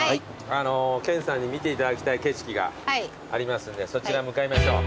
研さんに見ていただきたい景色がありますんでそちら向かいましょう。